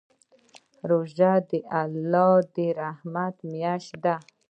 روژه د الله د رحمت میاشت ده.